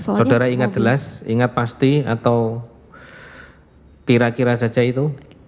saudara ingat jelas ingat pasti atau kira kira saja itu